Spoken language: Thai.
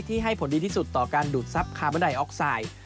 ให้ผลดีที่สุดต่อการดูดทรัพย์คาร์บอนไดออกไซด์